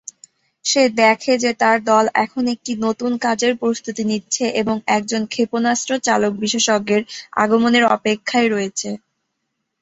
সে দেখে যে তার দল এখন একটি নতুন কাজের প্রস্তুতি নিচ্ছে এবং একজন ক্ষেপণাস্ত্র চালক বিশেষজ্ঞের আগমনের অপেক্ষায় রয়েছে।